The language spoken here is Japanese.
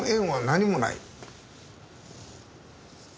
何もない。